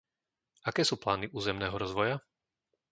Aké sú plány územného rozvoja?